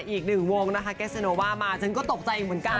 อีกหนึ่งวงนะคะเกสโนว่ามาฉันก็ตกใจเหมือนกัน